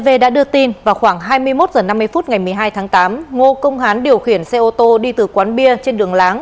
v đã đưa tin vào khoảng hai mươi một h năm mươi phút ngày một mươi hai tháng tám ngô công hán điều khiển xe ô tô đi từ quán bia trên đường láng